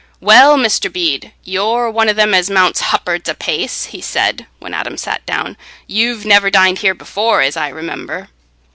"Well, Mr. Bede, you're one o' them as mounts hup'ards apace," he said, when Adam sat down. "You've niver dined here before, as I remember."